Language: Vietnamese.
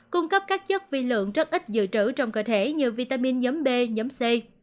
cung cấp các chất vi lượng rất ít dự trữ trong cơ thể như vitamin nhấm b nhấm c